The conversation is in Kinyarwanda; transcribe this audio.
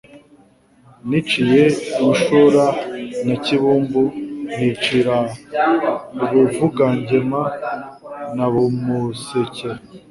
Niciye i Bushora na Kibumbu, nicira i Buvugangema na Musekera,